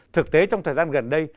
thực tế trong thời gian gần đây